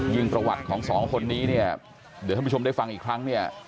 ประวัติของสองคนนี้เนี่ยเดี๋ยวท่านผู้ชมได้ฟังอีกครั้งเนี่ย